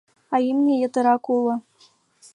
А имне ятырак уло.